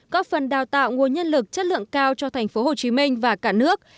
góp phần đào tạo nguồn nhân lực chất lượng cao cho tp hcm và cả nước